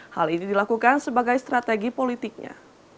hal ini dilakukan sebagai strategi politiknya